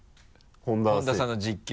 本田さんの実況。